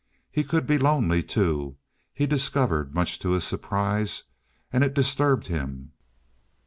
He could be lonely, too, he discovered much to his surprise, and it disturbed him.